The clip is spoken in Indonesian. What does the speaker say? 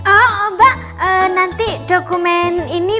oh mbak nanti dokumen ini